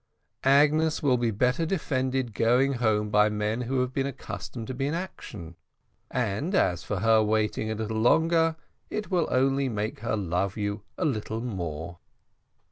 "Agnes will be better defended going home by men who have been accustomed to be in action. And, as for her waiting a little longer, it will only make her love you a little more."